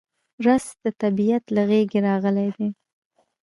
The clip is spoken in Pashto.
رس د طبیعت له غېږې راغلی دی